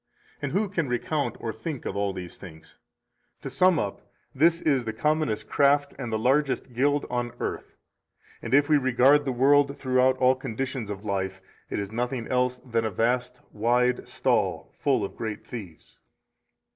And who can recount or think of all these things? 228 To sum up, this is the commonest craft and the largest guild on earth, and if we regard the world throughout all conditions of life, it is nothing else than a vast, wide stall, full of great thieves.